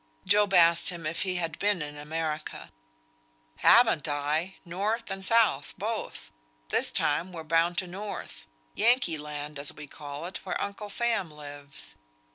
Job asked him if he had ever been in America. "Haven't I? North and South both! This time we're bound to North. Yankee Land, as we call it, where Uncle Sam lives."